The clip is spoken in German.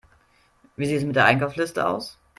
Wie sieht es mit der Einkaufsliste aus?